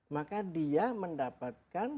maka dia mendapatkan